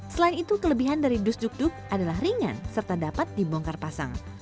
selain itu kelebihan dari dus duk duk adalah ringan serta dapat dibongkar pasang